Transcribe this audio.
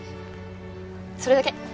それだけ。